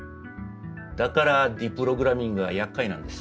だからディプログラミングがやっかいなんです。